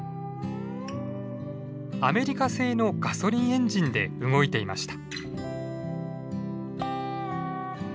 アメリカ製のガソリンエンジンで動いていました。